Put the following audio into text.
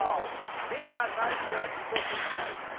では最初は自己信頼ですね。